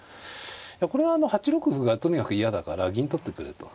これは８六歩がとにかく嫌だから銀取ってくれと。